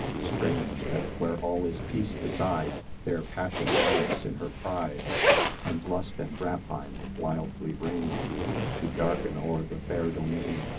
Strange that where all is Peace beside, There Passion riots in her pride, And Lust and Rapine wildly reign 60 To darken o'er the fair domain.